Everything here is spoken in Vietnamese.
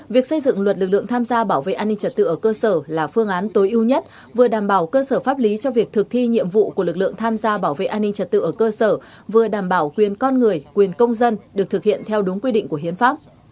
việc xây dựng luật lực lượng tham gia bảo vệ an ninh trật tự ở cơ sở là phương án tối ưu nhất vừa đảm bảo cơ sở pháp lý cho việc thực thi nhiệm vụ của lực lượng tham gia bảo vệ an ninh trật tự ở cơ sở vừa đảm bảo quyền con người quyền công dân được thực hiện theo đúng quy định của hiến pháp